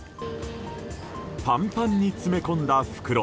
パンパンに詰め込んだ袋。